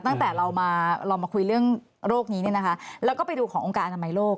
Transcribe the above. ตั้งแต่เรามาเรามาคุยเรื่องโรคนี้เนี่ยนะคะแล้วก็ไปดูขององค์การอนามัยโลก